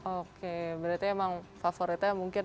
oke berarti emang favoritnya mungkin